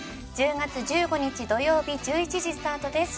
１０月１５日土曜日１１時スタートです。